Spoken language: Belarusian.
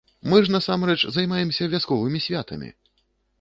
Мы ж, насамрэч, займаемся вясковымі святамі!